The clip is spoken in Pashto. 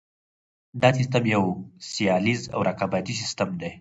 دا سیستم یو سیالیز او رقابتي سیستم دی.